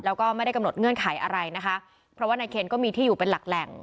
แล้วก็ไม่ได้กำหนดเงื่อนไขอะไรนะคะเพราะว่านายเคนก็มีที่อยู่เป็นหลักแหล่ง